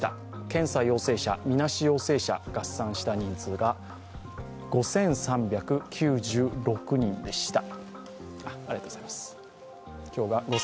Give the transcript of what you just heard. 検査陽性者、みなし陽性者、合算した人数が５３９６人でした。